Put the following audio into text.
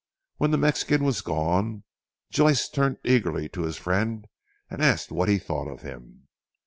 When the Mexican was gone, Joyce turned eagerly to his friend and asked what he thought of him.